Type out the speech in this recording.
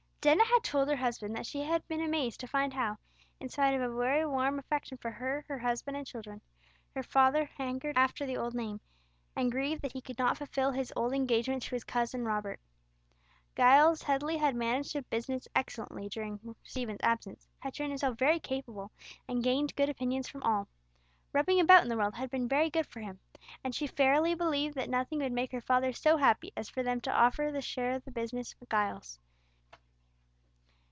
Dennet had told her husband that she had been amazed to find how, in spite of a very warm affection for her, her husband, and children, her father hankered after the old name, and grieved that he could not fulfil his old engagement to his cousin Robert. Giles Headley had managed the business excellently during Stephen's absence, had shown himself very capable, and gained good opinions from all. Rubbing about in the world had been very good for him; and she verily believed that nothing would make her father so happy as for them to offer to share the business with Giles.